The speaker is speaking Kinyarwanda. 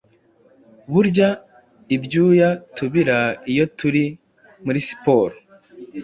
Burya ibyuya tubira iyo turi muri siporo,